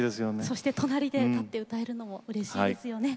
そして隣で立って歌えるのもうれしいですよね。